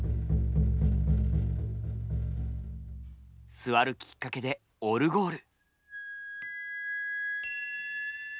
座るきっかけでオルゴール。